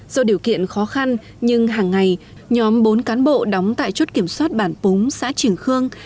do điều kiện khó khăn nhưng hàng ngày nhóm bốn cán bộ đóng tại chốt kiểm soát bản búng xã trường khương